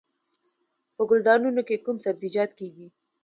په ګلدانونو کې کوم سبزیجات کیږي؟